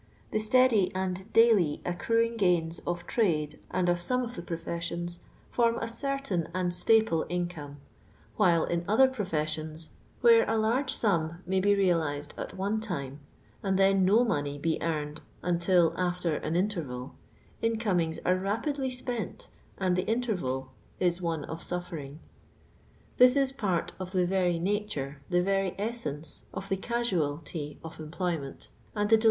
The stoaily and daily accruing gains of tnido and of some of the profes sions form a certain and staple income; while in other professions, where a large sum may bo real NoTxLVT ized at one time, and then no money be eorncil until after an interval, incomings are rapidly spent, and the interval is one of suffering. This is part of the very nature, the very essence, of the casualty of employment and the del.